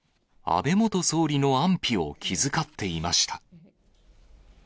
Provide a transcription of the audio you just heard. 安倍元総理の安否を気遣っていました。